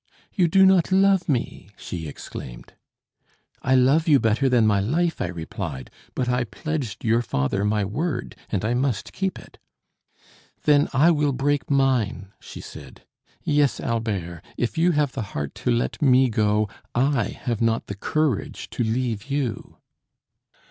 "You do not love me!" she exclaimed. "I love you better than my life," I replied; "but I pledged your father my word, and I must keep it." "Then, I will break mine," she said. "Yes, Albert; if you have the heart to let me go, I have not the courage to leave you."